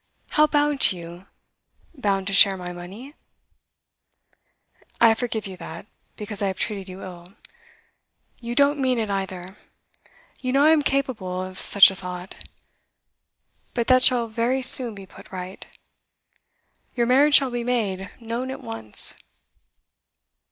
How bound to you? Bound to share my money?' 'I forgive you that, because I have treated you ill. You don't mean it either. You know I am incapable of such a thought. But that shall very soon be put right. Your marriage shall be made known at once.